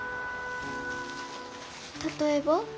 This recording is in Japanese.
例えば？